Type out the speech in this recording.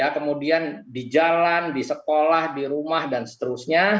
kemudian di jalan di sekolah di rumah dan seterusnya